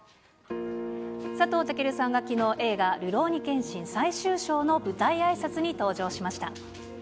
佐藤健さんが、きのう、るろうに剣心最終章の舞台あいさつに登場しました。